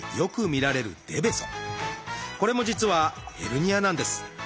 これも実はヘルニアなんです。